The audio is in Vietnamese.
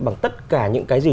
bằng tất cả những cái gì